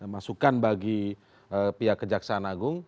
masukan bagi pihak kejaksaan agung